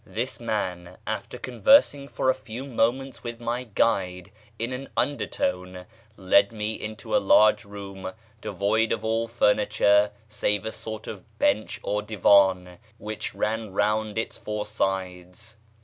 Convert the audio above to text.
This man, after conversing for a few moments with my guide in an under tone, led me into a large room devoid of all furniture save a sort of bench or divan which ran round its four sides.